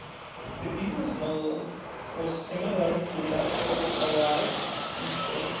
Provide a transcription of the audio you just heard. The business model was similar to that of a live peep show.